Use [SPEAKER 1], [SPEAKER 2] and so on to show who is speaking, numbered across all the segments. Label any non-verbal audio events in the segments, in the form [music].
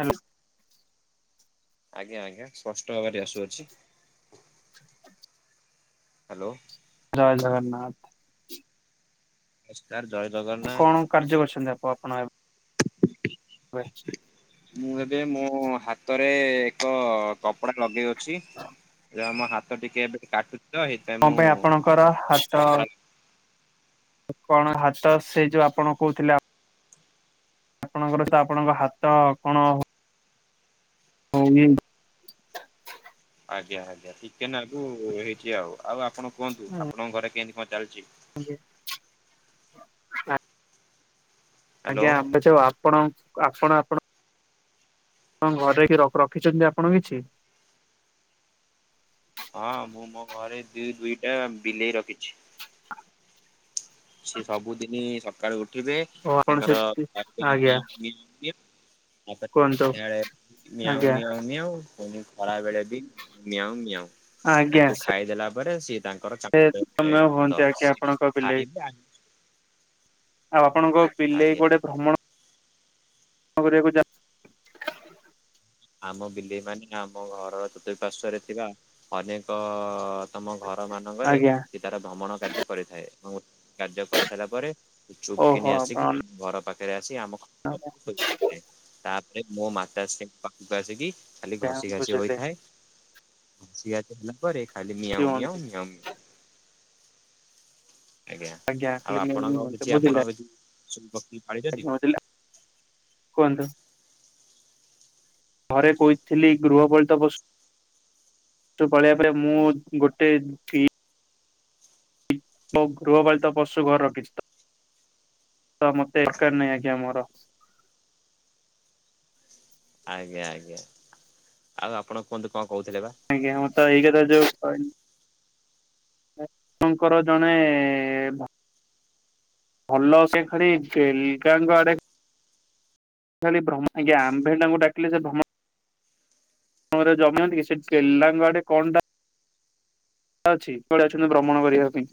[SPEAKER 1] Hello
[SPEAKER 2] ଆଜ୍ଞା ଆଜ୍ଞା ସ୍ପଷ୍ଟ ଭାବରେ ଆସୁଅଛି। ହ୍ୟାଲୋ।
[SPEAKER 1] ଜୟ ଜଗନ୍ନାଥ।
[SPEAKER 2] ନମସ୍କାର ଜୟ
[SPEAKER 1] କଣ
[SPEAKER 2] ଜଗନ୍ନାଥ।
[SPEAKER 1] କାର୍ଯ୍ୟ କରୁଛନ୍ତି ଆପ ଆପଣ ଏ [unintelligible]
[SPEAKER 2] ମୁଁ ଏବେ ମୋ ହାତରେ ଏକ କପଡା ଲଗେଇ ଅ ଛି ମୋ ହାତ ଟିକେ ଏବେ କାଟୁଛି ତ ସେଇଥିାଇଁ
[SPEAKER 1] କଣ
[SPEAKER 2] ମୁଁ
[SPEAKER 1] ପାଇଁ ଆପଣଙ୍କର ହାତ
[SPEAKER 2] କପଡା
[SPEAKER 1] କଣ ହାତ ସେ ଯୋଉ ଆପଣ କହୁଥିଲେ। ଆପଣଙ୍କର ତ ଆପଣଙ୍କ ହାତ କଣ ହୋଇ
[SPEAKER 2] ଆଜ୍ଞା ଆଜ୍ଞା ଟିକେ ନାକୁ ହେଇଛି ଆଉ ଆଉ ଆପଣ କୁହନ୍ତୁ ଆପଣଙ୍କ ଘରେ କେମିତି କଣ ଚାଲିଛି।
[SPEAKER 1] [unintelligible]
[SPEAKER 2] ହ୍ୟାଲୋ
[SPEAKER 1] ଆଜ୍ଞା ଆ ତ ଆପଣ ଆପଣ ଆପଣଙ୍କ ଘରେ କ ର ରଖିଛନ୍ତି ଆପଣ କିଛି?
[SPEAKER 2] ହଁ ମୁଁ ମୋ ଘରେ ଦିଇ ଦୁଇଟା ବିଲେଇ ରଖିଛି। ସେ ସବୁଦିନ ସକାଳୁ ଉଠିବେ
[SPEAKER 1] ଓ ଆପଣ ସେମିତି
[SPEAKER 2] ତାଙ୍କର--ପ୍ରତ୍ୟେକ
[SPEAKER 1] ଆଜ୍ଞା
[SPEAKER 2] ଦିନ ମିଲ୍କ ଦିଏ
[SPEAKER 1] କୁହନ୍ତୁ
[SPEAKER 2] ଆପଣ ନିଆ
[SPEAKER 1] ଆଜ୍ଞା
[SPEAKER 2] ମ ମଉ ବ [unintelligible] ଖରା ବେଳେ ବି ମିଆଁଉ ମିଆଁଉ
[SPEAKER 1] ଆଜ୍ଞା
[SPEAKER 2] ତାକୁ ଖାଇଦେଲା ପରେ ସିଏ ତାଙ୍କର
[SPEAKER 1] ସେ
[SPEAKER 2] କାମରେ
[SPEAKER 1] ତମେ
[SPEAKER 2] ତ
[SPEAKER 1] ହୁଅନ୍ତି ଆଜ୍ଞା ଆପଣଙ୍କ ବିଲେଇ
[SPEAKER 2] ଖାଇବେ ଆ
[SPEAKER 1] ଆଉ ଆପଣଙ୍କ ବିଲେଇ
[SPEAKER 2] ଆଜ୍ଞା।
[SPEAKER 1] ପଡ଼େ ଭ୍ରମଣ କରିବାକୁ ଜାନ୍ତି।
[SPEAKER 2] ଆମ ବିଲେଇ ମାନେ ଆମ ଘରର ଚତୁଃପାର୍ଶ୍ଵରେ ଥିବା ଅନେକ ଆମ ଘର ମାନଙ୍କରେ
[SPEAKER 1] ଆଜ୍ଞା
[SPEAKER 2] ସେ ତାର ଭ୍ରମଣ କାର୍ଯ୍ୟ କରିଥାଏ ଏବଂ କାର୍ଯ୍ୟ କରିସାରିଲା ପରେ ଚୁପ୍
[SPEAKER 1] ଓହୋ
[SPEAKER 2] କିିନି ଆସିକି
[SPEAKER 1] ଆପଣ
[SPEAKER 2] ଘର ପାଖରେ ଆସି ଆମ ତାପରେ ମୋ ମାତାସ୍ରୀଙ୍କ ପାଖକୁ ଆସିକି ଖାଲି ଘଷି ଘାଷି
[SPEAKER 1] ବୁଝିଲେ
[SPEAKER 2] ହୋଇଥାଏ ଘଷି ଘାସି ହେଲା ପରେ ଖାଲି ମିଆଁଉ ମିଆଁଉ ମିଆଁ ମିଆଁ। ଆଜ୍ଞା ଆଉ ଆପଣଙ୍କ
[SPEAKER 1] ଆଜ୍ଞା
[SPEAKER 2] କିଛି
[SPEAKER 1] ବୁଝିଲେ
[SPEAKER 2] ଆପଣ ଅଉ କିଛି ସମ୍ପତ୍ତି ପାଇ
[SPEAKER 1] ଆଜ୍ଞା ବଝିଲ କୁହନ୍ତୁ। ଘରେ କହିଥିଲି ଗୃହପଳିତ ପଶୁ ପାଳିବା ପରେ ମୁଁ ଗୋଟେ ମୁଁ ଗୃହପାଳିତ ପଶୁ ଘର ରଖିଛି ତ ତ ମତେ ଏକାଡ ନହିଁ ଆଜ୍ଞା ମୋର [unintelligible]
[SPEAKER 2] ଆଜ୍ଞା ଆଜ୍ଞା ଆଉ ଆପଣ କୁହନ୍ତୁ କଣ କହୁଥିଲେ ବା।
[SPEAKER 1] ଆଜ୍ଞା ମୁତ ଏଇ କଥା‌ ତ ଯୋଉ ଆପଙ୍କର ଜଣେ ଭଲ ସେ ଖା ବେଲକାାଙ୍କ ଆଡେ [unintelligible] ଖ ଆଜ୍ଞ ଆମ୍ଭେଣ୍ଡାଙ୍କୁ ଡାିଲେ ସେ ଭ୍ରମ [unintelligible] ଜମାା ଗ କା [unintelligible] ଅଛି କୁଆଡେ ଅଛନ୍ତି ଭ୍ରମଣ କରିବା ପାଇଁ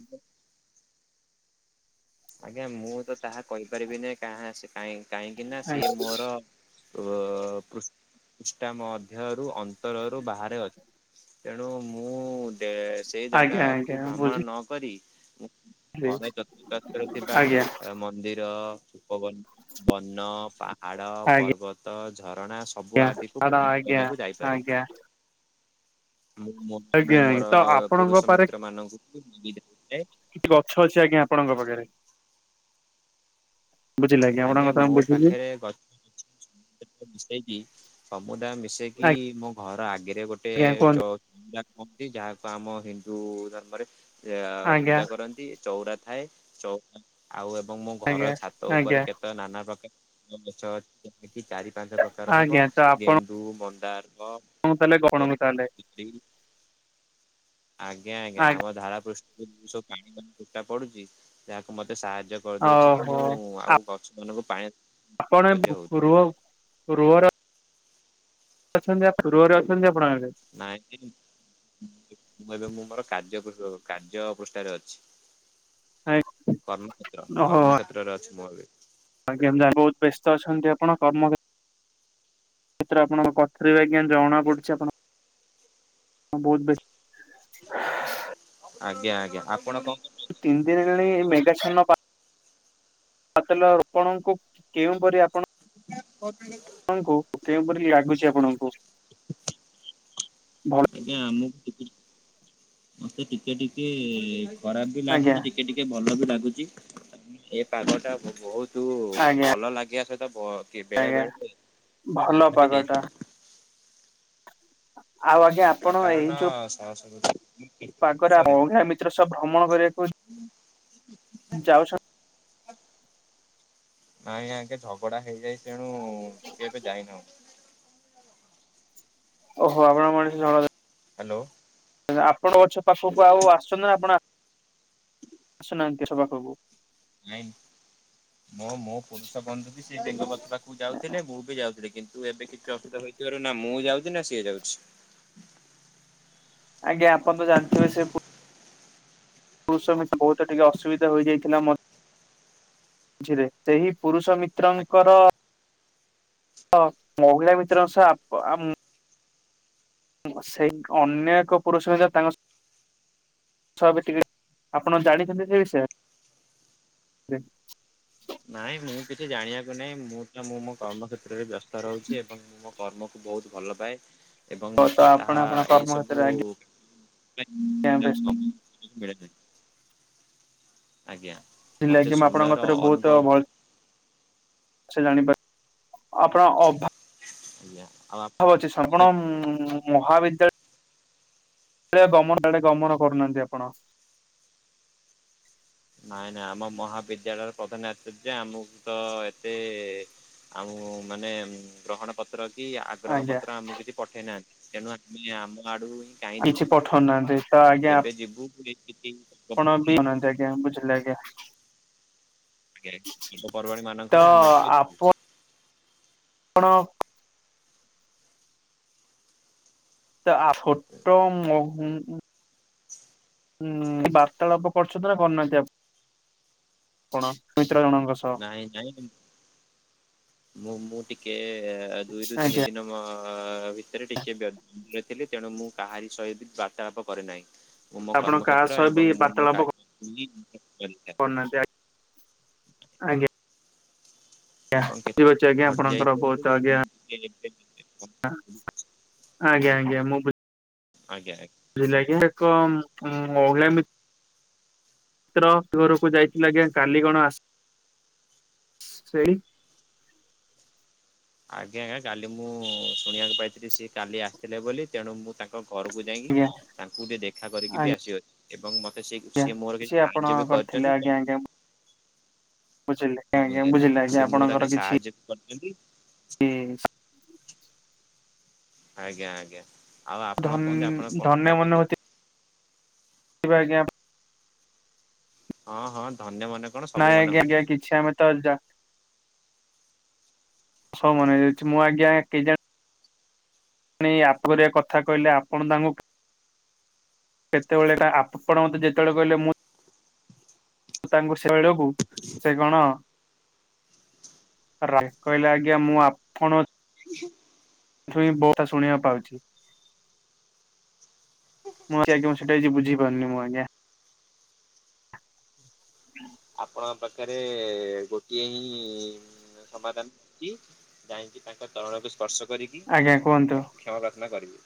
[SPEAKER 2] ଆଜ୍ଞା ମୁଁ ତ ତାହା କହିପାରିବିନି କାହିଁକି ନା ସିଏ ମୋର ପୃଷ୍ଠା ମଧ୍ୟରୁ ଅନ୍ତରରୁ ବାହାରେ ଅଛି। ତେଣୁ ମୁଁ ସେଇ
[SPEAKER 1] ଆଜ୍ଞା ଆଜ୍ଞା
[SPEAKER 2] ଜାଗାକୁୁ ଭ୍ରମଣ
[SPEAKER 1] ବୁଝିଲି
[SPEAKER 2] ନ କରି ଘର ଚତୁର୍ ଥିବା
[SPEAKER 1] ଆଜ୍ଞା
[SPEAKER 2] ମନ୍ଦିର ପବନ ବନ ପାହାଡ
[SPEAKER 1] ଆଜ୍ଞା
[SPEAKER 2] ପର୍ବତ ତ ଝରଣା ସବୁ
[SPEAKER 1] ଆଜ୍ଞା
[SPEAKER 2] ଆଦିକୁ
[SPEAKER 1] ଆଜ୍ଞା ଆଜ୍ଞା
[SPEAKER 2] କରିବାକୁ ଯାଇପାରେ।
[SPEAKER 1] ଆଜ୍ଞା
[SPEAKER 2] ମୁଁ ମୁଁ
[SPEAKER 1] ଆଜ୍ଞା
[SPEAKER 2] ମୋର
[SPEAKER 1] ତ ଆପଣଙ୍କ
[SPEAKER 2] ପୁରୁଷ
[SPEAKER 1] ପାରେ
[SPEAKER 2] ମିତ୍ର ମାନଙ୍କୁ ଧରିଯାଏ।
[SPEAKER 1] କିଛି ଗଛ ଅଛି ଆଜ୍ଞା ଆପଣଙ୍କ ପାଖରେ ବୁଝିଲି ଆଜ୍ଞା ଆପଣଙ୍କ କଥା ମୁଁ ବୁଝିଲି
[SPEAKER 2] ଗଛ। ଷ [inaudible] ସମୁଦାୟ ମି ସେ କି ମୋ ଘର ଆଗରେ
[SPEAKER 1] ଆଜ୍ଞା କୁହନ୍ତୁ
[SPEAKER 2] ଗୋଟେ--ଚ ଯା କହନ୍ତି ଯାହାକୁ ଆମ ହିନ୍ଦୁ ଧର୍ମରେ
[SPEAKER 1] ଆଜ୍ଞା
[SPEAKER 2] ପୂଜା କରନ୍ତି ଚଉଁରା ଥାଏ ଚଉଁରା ଆଉ ଏବଂ ମୋ ଘର
[SPEAKER 1] ଆଜ୍ଞା
[SPEAKER 2] ଛାତ
[SPEAKER 1] ଆଜ୍ଞା
[SPEAKER 2] ଉପରେ ନାନା ପ୍ରକାର ଗଛ ଅଛି ଚାରି ପାଞ୍ଚ ପ୍ରକାର ହବ
[SPEAKER 1] ଆଜ୍ଞା
[SPEAKER 2] ଗେନ୍ ରୁ ମନ୍ଦାରକ [inaudible]
[SPEAKER 1] ତାହଲେ କଣକୁ ତାହଲେ [inaudible]
[SPEAKER 2] ଆଜ୍ଞା ଆଜ୍ଞା ଆମ ଧାରା ପୃଷ୍ଠ ଉ ସବୁ ପାଣିଣି ଫଟା ପଡୁଛି ଯାହାକୁ ମତେ ସାହାଯ୍ୟ କରିଦଉଛି କି
[SPEAKER 1] ଓହୋ
[SPEAKER 2] ମୁଁ ଆଉ ସେମାନଙ୍କୁ ପାଣି ସଜା ହଉଛି [inaudible]
[SPEAKER 1] ରୁହ ରୁହ ର ଅଛନ୍ତି ଆ ରୁଅରେ ଅଛନ୍ତି ଆପଣମନେ?
[SPEAKER 2] ନାଇଟିନ୍ [unintelligible] ମୁଁ ଏବେ ମୁଁ ମୋର କାର୍ଯ୍ୟ କାର୍ଯ୍ୟ ପୃଷ୍ଠାରେ ଅଛି। କର୍ମକ୍ଷେତ୍ର
[SPEAKER 1] ଓହୋ
[SPEAKER 2] କର୍ମକ୍ଷେତ୍ରରେ ଅଛି ମୁଁ ଏବେ।
[SPEAKER 1] ବହୁତ ବ୍ୟସ୍ତ ଅଛନ୍ତି ଆପଣ କର୍ମ କ୍ଷେତ୍ରରେ ଆପଣଙ୍କ ଆଜ୍ଞା ଜଣା ପଡ଼ୁଚି ଆପଣ ବହୁତ ବ୍ୟସ୍ତ
[SPEAKER 2] ଆଜ୍ଞା ଆଜ୍ଞା ଆପଣ କଣ କରୁଛନ୍ତି?
[SPEAKER 1] ତିନ୍ ଦିନ୍ ହେଲାଣି ଏହି ମେଗାଛନ୍ନ ତେଲ ରୋପଣଙ୍କୁ କେଉଁପରି ଆପଣ
[SPEAKER 2] ଆା କ [unintelligible]
[SPEAKER 1] ଆପଣଙ୍କୁ କେଉଁପରି ଲାଗୁଛି ଆପଣଙ୍କୁ ଭଲ?
[SPEAKER 2] ଆମକୁ ଟିକେ ମତେ ଟିକେ ଟିକେ ଖରାପ ବି
[SPEAKER 1] ଆଜ୍ଞା
[SPEAKER 2] ଲାଗୁଛି ଟିକେ ଟିକେ ଟିକେ ଭଲ ବି ଲାଗୁଛି ଏ ପାଗ ଟା ବହୁତ
[SPEAKER 1] ଆଜ୍ଞା
[SPEAKER 2] ଭଲ ଲାଗିବା ସହିତ କି ବେଳେ
[SPEAKER 1] ଆଜ୍ଞା
[SPEAKER 2] ବେଳେ
[SPEAKER 1] ଭଲ
[SPEAKER 2] ବାଧା ବି
[SPEAKER 1] ପାଗଟା
[SPEAKER 2] ଦେଇଥାଏ।
[SPEAKER 1] ଆଉ ଆଜ୍ଞା
[SPEAKER 2] [unintelligible]
[SPEAKER 1] ଆପଣ ଏଇ ଯୋଉ
[SPEAKER 2] କାରଣସ
[SPEAKER 1] ପାଗରେ ଆପଣଙ୍କ ମିତ୍ର ସବ ଭ୍ରମଣ କରିବାକୁ ଯାଉଛନ୍ତି?
[SPEAKER 2] ନାଇଁ ଆଜ୍ଞା ଝଗଡ଼ା ହେଇଯାଏ ତେଣୁ ଟିକେ ଏବେ ଯାଇନାହୁଁ।
[SPEAKER 1] ଓହୋ ଆପଣ ମଣିଷ ଜଳ [unintelligible]
[SPEAKER 2] ହ୍ୟାଲୋ।
[SPEAKER 1] ଆପଣଙ୍କ ଗଛ ପାଖକୁ ଆଉ ଆସୁଛନ୍ତି ଆପଣ ଆସୁନାହାନ୍ତିଛ ପାଖକୁ [unintelligible]
[SPEAKER 2] ନାଇଁ ମୋ ମୋ ପୁରୁଷ ବନ୍ଧୁ ବି ସେ ବେଙ୍ଗବତ ପାଖକୁ ଯାଉଥିଲେ ମୁଁ ବି ଯାଉଥିଲି କିନ୍ତୁ- ତୁ ଏବେ କିଛି ଅସୁବିଧ ହେଇଥିବାରୁ ନା ମୁଁ ଯାଉଛି ନା ସିଏ ଯାଉଛି।
[SPEAKER 1] ଆଜ୍ଞା ଆପଣ ତ ଜାଥିବେ ସେ ପୁରୁଷମିତ ବହୁତ ଟିକେ ଅସୁବିଧା ହୋଇଯାଇଥିଲା ମ ମଝିରେ ସେହି ପୁରୁଷ ମିତ୍ରଙ୍କର ମହିଳା ମିତ୍ର ସହ [inaudible] ସେଇ ଅନ୍ୟ ଏକ ପୁରୁଷ ଯ ତାଙ୍କ ଛବେ ଟିକେ ଆପଣ ଜାଣିଛନ୍ତି ସେ ବିଷୟରେ?
[SPEAKER 2] ନାଇଁ ମୁଁ କିଛି ଜାଣିବାକୁ ନାହିଁ ମୁଁ ତ ମୁଁ ମୋ କର୍ମ କ୍ଷେତ୍ର ବ୍ୟସ୍ତ ରହୁଛି ଏବଂ ମୁଁ ମୋ କର୍ମକୁ ବହୁତ ଭଲ ପାଏ ଏବଂ
[SPEAKER 1] ତ ତ
[SPEAKER 2] ମତେ
[SPEAKER 1] ଆପଣ
[SPEAKER 2] ତାହା
[SPEAKER 1] ଆପଣଙ୍କ
[SPEAKER 2] ଏଇ
[SPEAKER 1] କର୍ମ
[SPEAKER 2] ସବୁ
[SPEAKER 1] କ୍ଷେତ୍ରରେ ଆଜ୍ଞା ବ୍ୟସ୍ତ
[SPEAKER 2] [inaudible] ଆଜ୍ଞା।
[SPEAKER 1] ଥିଲା
[SPEAKER 2] ମତେ
[SPEAKER 1] କିି ମୁଁ ଆପଣଙ୍କ
[SPEAKER 2] ସମୟର
[SPEAKER 1] ଥରେ ବହୁତ
[SPEAKER 2] ଅନୁଭବ
[SPEAKER 1] ଭଲ ଜାଣି ପପଣ ଅ [unintelligible]
[SPEAKER 2] ଆଜ୍ଞା। ଆଉ
[SPEAKER 1] ଭାବ ଅଛି
[SPEAKER 2] ଆପଣ
[SPEAKER 1] ସପଣ ଉ [unintelligible] ମହାବିଦ୍ୟାଳୟଳ ରେ ଗମନ କରୁନାହାନ୍ତି ଆପଣ।
[SPEAKER 2] ନାଇଁ ନାଇଁ ଆମ ମହାବିଦ୍ୟାଳୟର ପ୍ରଧାନ ଅଛି ଯେ ଆମକୁ ତ ଏତେ ଆମକୁ ମାନେ ଗ୍ରହଣ ପତ୍ର କି ଆଗ୍ରହ
[SPEAKER 1] ଆଜ୍ଞା
[SPEAKER 2] ପତ୍ର ଆମକୁ କିଛି ପଠେଇ ନାହାନ୍ତି ତେଣୁ ଆମେ ଆମ ଆଡ଼ୁ ହିଁ କାହିଁ
[SPEAKER 1] କିଛି
[SPEAKER 2] ଯିବୁ
[SPEAKER 1] ପଠଉନାହାନ୍ତି ତ ଆଜ୍ଞା
[SPEAKER 2] ଯେବେ ଯିବୁ [unintelligible]
[SPEAKER 1] ବୁଝିଲି ଆଜ୍ଞା।
[SPEAKER 2] ପର୍ବ ପର୍ବାଣୀ
[SPEAKER 1] ତ
[SPEAKER 2] ମାନଙ୍କରେ ଆମେ ଟିକେ ଯିବୁ।
[SPEAKER 1] ଆପଣ ତା ଆଫୋଟ ମୋ ହୁଁ ହୁଁ ବାର୍ତ୍ତାଳାପ କରୁଚନ୍ତି ନା କରୁନାନ୍ତି ଆଉ? ଆପଣ ମିତ୍ର ଜଣଙ୍କ ସହ
[SPEAKER 2] ନାଇଁ ନାଇଁ ମୁଁ ମୁଁ ଟିକେ ଏ ଦୁଇରୁୁ ତିନି
[SPEAKER 1] ଆଜ୍ଞା।
[SPEAKER 2] ଦିନ ହଁ ଭିତରେ ଟିକେ ବ୍ୟ ଥିଲି ତେଣୁ ମୁଁ କାହାରି ସହିତ ବାର୍ତ୍ତାଳାପ କରେନାହିଁ। ମୁଁ ମୋ
[SPEAKER 1] ଆପଣ କାହା
[SPEAKER 2] କର୍ମକ୍ଷେତ୍ର
[SPEAKER 1] ସହ ବି
[SPEAKER 2] ଏବଂ ମୁଁ ମୋ କାର୍ଯ୍ୟକୁହି କରିଥାଏ।
[SPEAKER 1] ନାସିଆ ଆଇ ଆଜ୍ଞା।
[SPEAKER 2] ଏବଂ
[SPEAKER 1] ଠିକ
[SPEAKER 2] କେତେ
[SPEAKER 1] ଅଛି ଆଜ୍ଞା
[SPEAKER 2] ଘଟି
[SPEAKER 1] ଆପଣଙ୍କର
[SPEAKER 2] ଯାଇଥିବ
[SPEAKER 1] ବହୁତ ଆଜ୍ଞା
[SPEAKER 2] ହେଲେ ଏବେ ଟିକେ କମ୍
[SPEAKER 1] ଆଜ୍ଞା ଆଜ୍ଞା ମୁଁ ପି
[SPEAKER 2] ଆଜ୍ଞା ଆଜ୍ଞା।
[SPEAKER 1] ଲିଲ କିି ଏକ ମହିଳ। ଚିତ୍ର ଘରକୁ ଯାଇଥିଲା ଆଜ୍ଞା କାଲିଗଣ ଆସ ସେଇ,
[SPEAKER 2] ଆଜ୍ଞା ଆଜ୍ଞା କାଲି ମୁଁ ଶୁଣିବାକୁ ପାଇଥିଲି ସିଏ କାଲି ଆସିଥିଲେ ବୋଲି ତେଣୁ ମୁଁ ତା ତାଘରକୁ ଯାଇକି
[SPEAKER 1] ଆଜ୍ଞା
[SPEAKER 2] ତାଙ୍କୁ ଟିକେ ଦେଖା କରିକି
[SPEAKER 1] ଆଜ୍ଞା।
[SPEAKER 2] ବି ଆସିିବ ଏବଂ ମତେ ସେ
[SPEAKER 1] ଆଜ୍ଞା
[SPEAKER 2] ସ ମୋର କିଛି
[SPEAKER 1] ଆପଣ
[SPEAKER 2] ସାହାଯ୍ୟ ବି କଚ
[SPEAKER 1] କରିଥିଲେ
[SPEAKER 2] ନ୍ତି
[SPEAKER 1] ଆଜ୍ଞା ଆଜ୍ଞା ବୁଝିଲି
[SPEAKER 2] ହଁ ଆଜ୍ଞା
[SPEAKER 1] ବୁଝିଲି
[SPEAKER 2] ସେ ମୁଁ
[SPEAKER 1] ଆପଣଙ୍କର
[SPEAKER 2] ତାକେ
[SPEAKER 1] କିଛି
[SPEAKER 2] ସାହାଯ୍ୟ ବି କରିଚନ୍ତି। ଆଜ୍ଞା ଆଜ୍ଞା ଆଉ ଆପଣ
[SPEAKER 1] ଧନ
[SPEAKER 2] କୁହନ୍ତି ଆପଣ କଣ ଖାଇଚନ୍ତି?
[SPEAKER 1] ଆଜ୍ଞା ଆଜ୍ଞା।
[SPEAKER 2] ହଁ ହଁ ଧନ୍ୟ ମନେ କଣ ସବୁ
[SPEAKER 1] ନାଇଁ
[SPEAKER 2] ମନେ
[SPEAKER 1] ଆଜ୍ଞା
[SPEAKER 2] ହଉଛୁ।
[SPEAKER 1] ଆଜ୍ଞା କିଛି ଆମେ ତ ଅଜା ସ ମନେଯାଉଚି ମୁଁ ଆଜ୍ଞା କେଜା ଣି ଆପରେ କଥା କହିଲେ ଆପଣ ତାଙ୍କୁ କେତେବେଳେ ତା ଆପଣ ମତେ ଯେତେବେଳେ କହିଲେ ମୁଁ ତାଙ୍କୁ ସେଡକୁ ସେ କଣ ରା କହିଲେ ଆଜ୍ଞା ମୁଁ ଆପଣ
[SPEAKER 2] ହିଁ ହିଁ।
[SPEAKER 1] ଛୁଇଁ ବହୁତ ଶୁଣିବାକୁ ପାଉଚି। ମୁଁ ଆଜ୍ଞା ମୁଁ ସେଇଟା ବଝିପାରୁନି ମୁଁ ଆଜ୍ଞା
[SPEAKER 2] ଆପଣଙ୍କ ପାଖରେ ଗୋଟିଏ ହିଁ ସମାଧାନ ଅଛି ଯାଇକି ତାଙ୍କ ତଳକୁ ସ୍ପର୍ଶ କରିକି
[SPEAKER 1] ଆଜ୍ଞା କୁହନ୍ତୁ
[SPEAKER 2] କ୍ଷମା ପ୍ରାର୍ଥନା କରିବି।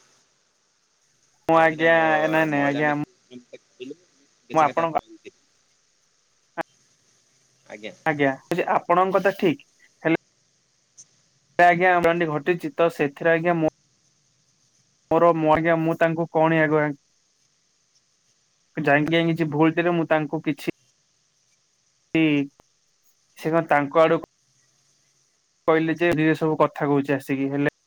[SPEAKER 1] ମୁଁ
[SPEAKER 2] କାହିଁକିନା
[SPEAKER 1] ଆଜ୍ଞା
[SPEAKER 2] ମୋ
[SPEAKER 1] ନାଇଁ ନାଇଁ
[SPEAKER 2] ମଇଳା
[SPEAKER 1] ଆଜ୍ଞା
[SPEAKER 2] ମି ଥିଲେ
[SPEAKER 1] ମୁଁ
[SPEAKER 2] କିଛି କଥା
[SPEAKER 1] ଆପଣଙ୍କ
[SPEAKER 2] କହନ୍ତି। ଆଜ୍ଞା।
[SPEAKER 1] ଆଜ୍ଞା ଯେ ଆପଣଙ୍କ କଥା ଠିକ୍। ଆଜ୍ଞ ମୋର ଏମିତି ଘଟିଚି ତ ସେଥିରେ ଆଜ୍ଞା ମୋ ମୋର ମୁଁ ଆଜ୍ଞା ମୁଁ ତାଙ୍କୁ କଣିଆ କୁହେ। ଯାଇକି କିଛି ଭୁଲ ରେ ମୁଁ ତାଙ୍କୁ କିଛି ହୁଁ ସେ କଣ ତାଙ୍କ ଆଡୁ କହିଲେ ଯେ ନିରେ ସବୁ କଥା କହୁଚି ଆସିକି ହେଲେ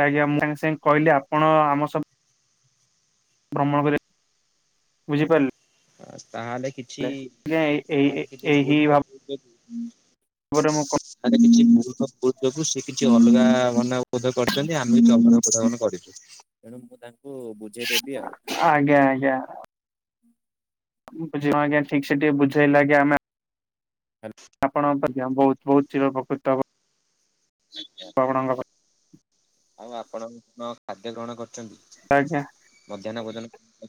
[SPEAKER 1] ଆଜ୍ଞା ମୁଁ ସାଙ୍ଗେ ସାଙ୍ଗେ କହିଲି ଆପଣ ଆମ ସବୁ ଭ୍ରମଣ କରି ବୁଝିପାରିଲେ
[SPEAKER 2] ହଁ ତାହେଲେ କିଛି
[SPEAKER 1] ଆଜ୍ଞା ଏଇ
[SPEAKER 2] ତାହେଲେ କିଛି ଭୁଲ ହୁଁ
[SPEAKER 1] ଗୋଟେ ମୁଁ କ
[SPEAKER 2] [unintelligible] ତୁ ତା ମାନେ କରିଚୁ ତେଣୁ ମୁଁ ତାଙ୍କୁ ବୁଝେଇଦେବି ଆଉ।
[SPEAKER 1] ଅଁ ଆଜ୍ଞା ଆଜ୍ଞା। ବୁଝିବ ଆଜ୍ଞା ଠିକ୍ ସେ ଟିକେ ବୁଝେଇଲ ଆଜ୍ଞା ଆମେ
[SPEAKER 2] ହ୍ୟାଲ।
[SPEAKER 1] ଆପଣଙ୍କ ମଧ୍ୟ ବହୁତ ବହୁତ ଚିର ପ୍ରକୃତ ହେବ ଆପଣଙ୍କ ପାଖରେ।
[SPEAKER 2] ଆଉ ଆପଣ କଣ ଖାଦ୍ୟ ଗ୍ରହଣ କରିଛନ୍ତି।
[SPEAKER 1] ଆଜ୍ଞା।
[SPEAKER 2] ମଧ୍ୟାହ୍ନ ଭୋଜନ। ମୁଁ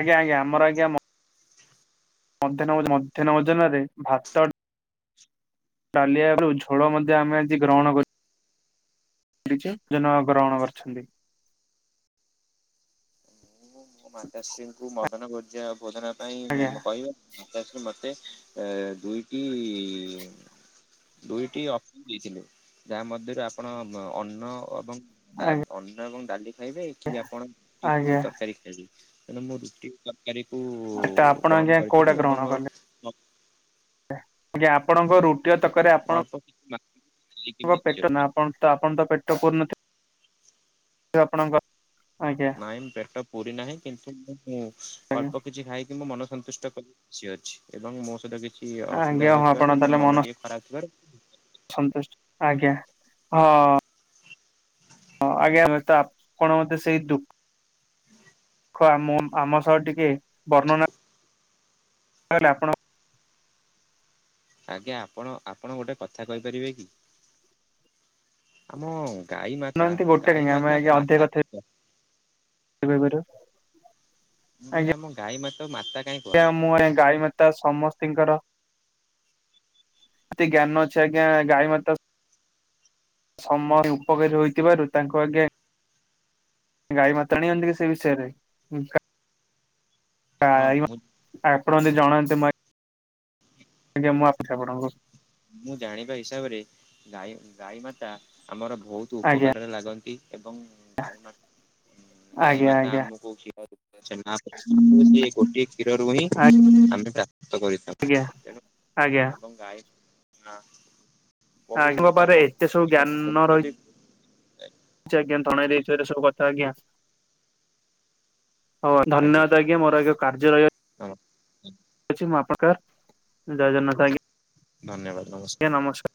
[SPEAKER 1] ଆଜ୍ଞା ଆଜ୍ଞା ଆମର ଆଜ୍ଞା ମ ମଧ୍ୟାହ୍ନ ମଧ୍ୟାହ୍ନ ଭୋଜନ ରେ ଭାତ ଡାଲି ଆଳୁ ଝୋଳ ମଧ୍ୟ ଆମେ ଆଜି ଗ୍ରହଣ କରି ଛୁ ଜନ ଗ୍ରହଣ କରିଛନ୍ତି।
[SPEAKER 2] ମୋ ମାତାଶ୍ରୀଙ୍କୁ ମଧ୍ୟାହ୍ନ ଭୋଜ୍ୟା ଭୋଜନ
[SPEAKER 1] ଆଜ୍ଞା
[SPEAKER 2] ପାଇଁ କହିବେ। ମାତାଶ୍ରୀ ମତେ ଦୁଇ ଟି ଦୁଇଟି ଅ ଦେଇଥିଲେ ଯାହା ମଧ୍ୟରୁ ଆପଣ ଅନ୍ନ ଏବଂ ଡା
[SPEAKER 1] ଆଜ୍ଞା
[SPEAKER 2] ଅନ୍ନ ଏବଂ ଡାଲି ଖାଇବେ କି ଆପଣ ରୁଟିକୁ
[SPEAKER 1] ଆଜ୍ଞା
[SPEAKER 2] ତରକାରୀ ଖାଇବେ ତେଣୁ ମୁଁ ରୁଟି ତରକାରୀକୁ
[SPEAKER 1] ତ ଆପଣ
[SPEAKER 2] ଗ୍ରହଣ
[SPEAKER 1] ଆଜ୍ଞା କୋଉଟା
[SPEAKER 2] କରିଥିଲି
[SPEAKER 1] ଗ୍ରହଣ
[SPEAKER 2] ଏବଂ ଓ
[SPEAKER 1] କଲେ ଆଜ୍ଞା ଆପଣଙ୍କ ରୁଟିଆ ତରକାରି
[SPEAKER 2] ଅଳ୍ପ କିଛି ମାତ୍ରାରେ ଖାଇକି
[SPEAKER 1] ଆପଣଙ୍କ
[SPEAKER 2] ବି ଅଛି
[SPEAKER 1] ପେଟ ନା ଆପଣ ତ ଆପଣ ତ ପେଟ ପୁରିନଥିବ ଆପଣଙ୍କ ଆଜ୍ଞା।
[SPEAKER 2] ନାଇଁ ପେଟ ପୁରିନାହିଁ କିନ୍ତୁ ମୁ
[SPEAKER 1] ଆଜ୍ଞା
[SPEAKER 2] ଅଳ୍ପ କିଛି ଖାଇଲି। କି ମୁଁ ମନ ସନ୍ତୁଷ୍ଟ କ ଖୁସି ଅଛି ଏବଂ ମୋ ସହିତ କିଛି ଅସୁବିଧା
[SPEAKER 1] ଆଜ୍ଞା ହଁ ଆପଣ
[SPEAKER 2] ହେଉଥିବାରୁ ମୋ
[SPEAKER 1] ତାହେଲେ
[SPEAKER 2] ମନ ଟିକେ ଖରାପ୍ ଥିବାରୁ
[SPEAKER 1] ସନ୍ତୁଷ୍ଟ ଆଜ୍ଞା ହଁ। ହଁ ଆଜ୍ଞା ତା ଆପଣ ମତେ ସେଇ ଦୁ ଖ ଆମ ଆମ ସହ ଟିକେ ବର୍ଣ୍ଣନା ତାହେଲେ ଆପଣ
[SPEAKER 2] ଆଜ୍ଞା ଆପଣ ଆପଣ ଗୋଟେ କଥା କହିପାରିବେ କି ଆମ ଗାଈ ମାତା
[SPEAKER 1] ଶୁଣନ୍ତି ଗୋଟେ
[SPEAKER 2] ଗାଈ
[SPEAKER 1] କାହିଁକି ଆମେ
[SPEAKER 2] ମାତାଙ୍କୁ ମାତା କି କ
[SPEAKER 1] କେବେ କରିବ।
[SPEAKER 2] ମୁଁ କହିଲି ଆମ ଗାଈ ମାତାକୁ ମାତା କାଇଁ କୁହାହଉଛି।
[SPEAKER 1] ମୁ ଆଢେ ଗାଈ ମା ତା ସମସ୍ତିଙ୍କର। ଅତି ଜ୍ଞାନ ଅଛି ଆଜ୍ଞା ଗାଈ ମାତାର। ସମୟ ଉପକାରୀ ହୋଇଥିବାରୁ ତାଙ୍କୁ ଆଜ୍ଞା। ଗାଈ ମାତାଣି ଏଂ ଟିକେ ସେଇ ବିଷୟରେ ଗା
[SPEAKER 2] ହଁ
[SPEAKER 1] ଗାଈ ମା
[SPEAKER 2] ମୁଁ
[SPEAKER 1] ଆପଣ ଯଦି ଜଣାନ୍ତି ମ୍ ତେ [unintelligible]
[SPEAKER 2] ମୁଁ ଜାଣିବା ହିସାବରେ ଗାଈ ଗାଈ ମାତା ଆମର ବୋହୁତ୍ ତୁ
[SPEAKER 1] ଆଜ୍ଞା।
[SPEAKER 2] ଉପକାରରେ ଲାଗନ୍ତି ଏବଂ ଗାଈ ମାତ୍ ଗାଈ
[SPEAKER 1] ଆଜ୍ଞା
[SPEAKER 2] ମାତା
[SPEAKER 1] ଆଜ୍ଞା
[SPEAKER 2] ଆମକୁ କ୍ଷୀର ଛେନା ଗୋଟିଏ ଗୋଟିଏ କ୍ଷୀରରୁ ହିଁ ଆମେ ପ୍ରାପ୍ତ କରି
[SPEAKER 1] ଆଜ୍ଞା ଆଜ୍ଞା।
[SPEAKER 2] ଏବଂ ଗାଈ ନା ବହୁ
[SPEAKER 1] ଆଜ୍ଞାଙ୍କ ପାଖରେ
[SPEAKER 2] ତାଙ୍କ
[SPEAKER 1] ଏତେ ସବୁ
[SPEAKER 2] ଯଦି [unintelligible]
[SPEAKER 1] ଚ ଆଜ୍ଞା ତରଣେରେ ତାର ସବୁ କଥା ଆଜ୍ଞା। ହଉ ଧନ୍ୟବାଦ ଆଜ୍ଞା ମୋର ଆଜ୍ଞା କାର୍ଯ୍ୟ ରହିବାରୁ
[SPEAKER 2] ନମ
[SPEAKER 1] ରହୁଛି ମୁଁ ଆପଣଙ୍କର ଜୟ ଜଗନ୍ନାଥ ଆଜ୍ଞା।
[SPEAKER 2] ଧନ୍ୟବାଦ ନମସ୍କ
[SPEAKER 1] ଆଜ୍ଞା ନମସ୍କା